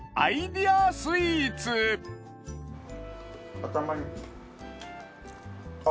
頭に。